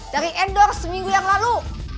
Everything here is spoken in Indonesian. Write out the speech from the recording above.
dari endorse seminggu yang lalu